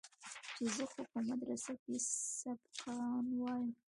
چې زه خو په مدرسه کښې سبقان وايم.